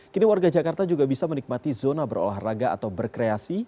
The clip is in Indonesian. kini warga jakarta juga bisa menikmati zona berolahraga atau berkreasi